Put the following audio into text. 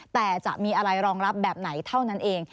แต่จะมีอะไรรองรับแบบไหนเท่านั้นเอง